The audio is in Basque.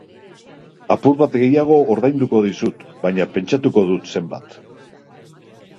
Apur bat gehiago ordainduko dizut, baina pentsatuko dut zenbat.